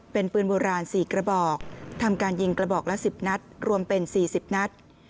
เป็นปืนโบราณ๔กระบอกทำการยิงกระบอกละ๑๐นัดรวมเป็น๔๐นัด